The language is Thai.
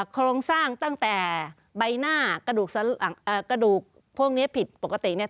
โครงสร้างตั้งแต่ใบหน้ากระดูกพวกนี้ผิดปกติเนี่ย